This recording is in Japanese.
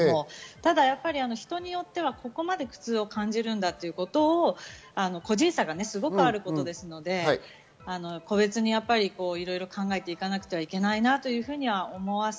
ただ人によってはここまで苦痛を感じるんだということを個人差がすごくあることなので個別に考えていかなくてはいけないなと思います。